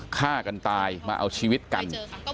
ฆ่ากันตายมาเอาชีวิตกัน